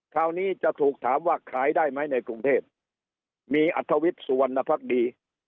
คราวนี้จะถูกถามว่าขายได้ไหมในกรุงเทพมีอัธวิทย์สุวรรณภักดี